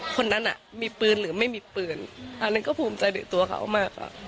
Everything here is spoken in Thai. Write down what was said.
คนนั้นมีปืนหรือไม่มีปืนอันนั้นก็ภูมิใจในตัวเขามากค่ะ